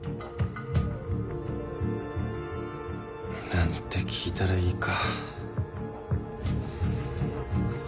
何て聞いたらいいか。